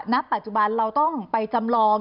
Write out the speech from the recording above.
ณปัจจุบันเราต้องไปจำลอง